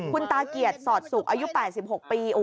คุณตาเกียรติสอดสุขอายุ๘๖ปี